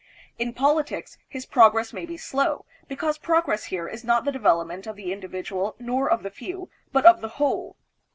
In poli tics, his progress may be slow, because progress here is not the development of the individual nor of the few, but of the whole.